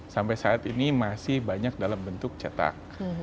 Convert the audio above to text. sampai saat ini masih banyak dalam bentuk cetak